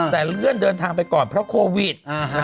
แต่เลื่อนเดินทางไปก่อนเพราะโควิด